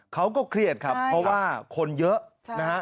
เขาก็เครียดครับเพราะว่าคนเยอะนะฮะ